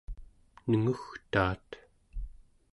nengugtaat